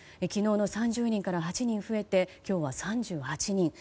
昨日の３０人から８人増えて今日は３８人。